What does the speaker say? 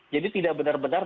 jadi tidak benar benar